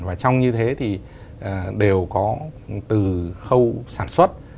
và trong như thế thì đều có từ khâu sản xuất